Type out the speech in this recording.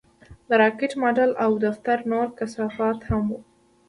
د راکټ ماډل او د دفتر نور کثافات هم وو